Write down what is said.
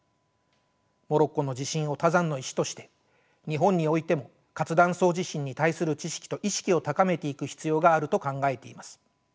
モロッコの地震を他山の石として日本においても活断層地震に対する知識と意識を高めていく必要があると考えています。